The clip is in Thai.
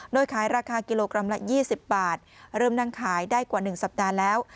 โดยขายราคากิโลกรัมละ๒๐บาทเริ่มนั่งขายได้กว่า๑สัปดาห์แล้ว